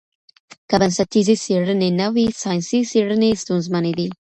که بنسټیزي څېړني نه وي ساینسي څېړني ستونزمنې دي.